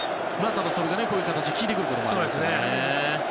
ただ、それがこういう形で効いてくることもあるんですね。